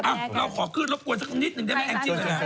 เราขอขึ้นรบกวนสักนิดหนึ่งได้มั้ยแองจี้